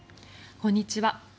こんにちは。